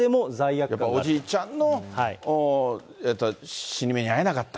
やっぱりおじいちゃんの死に目に会えなかった。